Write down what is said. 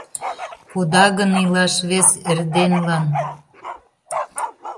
Кода гын илаш вес эрденлан, —